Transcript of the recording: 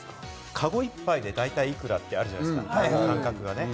かご一杯で大体いくらってあるじゃないですか、感覚で。